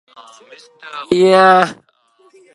Students on both sides helped fund the gate.